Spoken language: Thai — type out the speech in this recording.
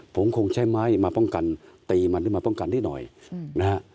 ผมคงใช้ไม้มาป้องกันตีมันหรือมาป้องกันให้หน่อยนะฮะ